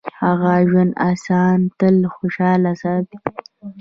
ښه ژوند انسان تل خوشحاله ساتي.